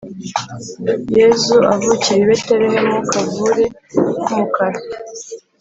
yezu avukira i betelehemu kavure kumukara